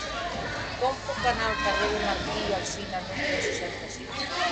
Com puc anar al carrer de Martí i Alsina número seixanta-sis?